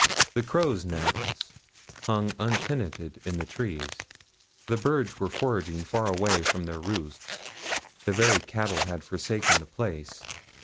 The crows' nests hung untenanted in the trees; the birds were foraging far away from their roosts. The very cattle had forsaken the place.